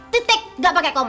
titik enggak pakai koma